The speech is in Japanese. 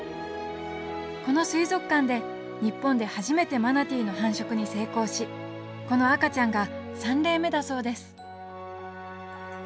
この水族館で日本で初めてマナティーの繁殖に成功しこの赤ちゃんが３例目だそうです。